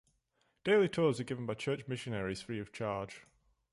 Daily tours are given by Church missionaries free of charge.